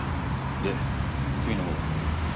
で君のほうは？